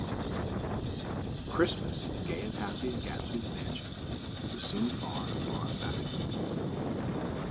XLI Christmas, gay and happy in Gadsby's mansion, was soon far, far back.